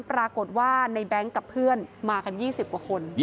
ปรากฏว่าในแบงค์กับเพื่อนมากัน๒๐กว่าคน